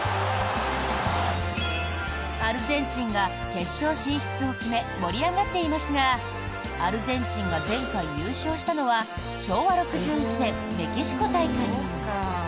アルゼンチンが決勝進出を決め盛り上がっていますがアルゼンチンが前回優勝したのは昭和６１年、メキシコ大会。